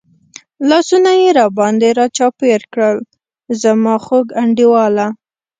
لاسونه یې را باندې را چاپېر کړل، زما خوږ انډیواله.